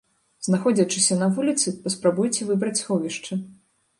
Знаходзячыся на вуліцы, паспрабуйце выбраць сховішча.